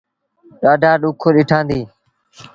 ڏآڍآ ڏُک ڏٺآنديٚ۔